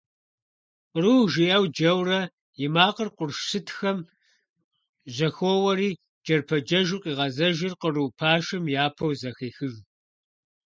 «Къру» жиӀэу джэурэ и макъыр къурш сытхэм жьэхоуэри джэрпэджэжу къигъэзэжыр къру пашэм япэу зэхехыж.